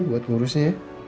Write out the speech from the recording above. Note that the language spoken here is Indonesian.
buat ngurusnya ya